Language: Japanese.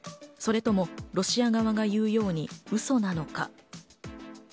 それともロシア側が言うようにウソなのか。